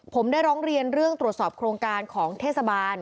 ผมได้ร้องเรียนเรื่องตรวจสอบโครงการของเทศบาล